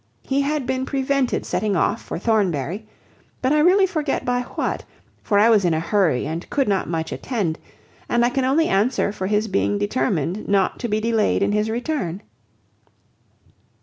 He had been prevented setting off for Thornberry, but I really forget by what; for I was in a hurry, and could not much attend, and I can only answer for his being determined not to be delayed in his return.